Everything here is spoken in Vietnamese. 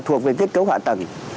thuộc về kết cấu hạ tầng